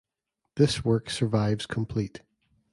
This work survives complete.